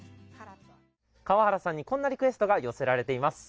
川原さんにこんなリクエストが寄せられています。